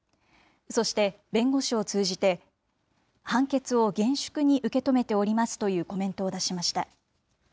そして、弁護士を通じて、判決を厳粛に受け止めておりますというコメントを出しました。